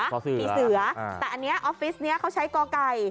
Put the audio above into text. พี่เสือแต่ออฟฟิศนี้เขาใช้กรอกไก่